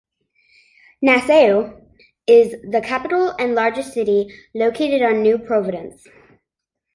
Nassau is the capital and largest city, located on New Providence.